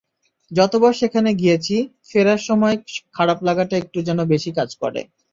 যতবার সেখানে গিয়েছি, ফেরার সময় খারাপ লাগাটা একটু যেন বেশি কাজ করে।